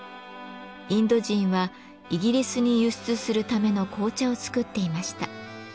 インド人はイギリスに輸出するための紅茶を作っていました。